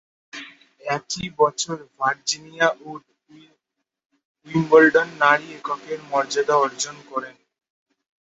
একই বছর Virginia Wood Wimbledon নারী এককের মর্যাদা অর্জন করেন।